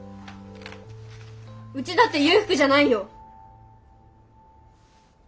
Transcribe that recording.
うちだって裕福じゃないよ！